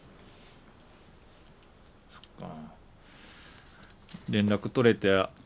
そっか。